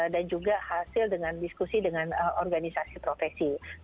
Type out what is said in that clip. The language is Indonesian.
dan juga hasil dengan diskusi dengan organisasi profesi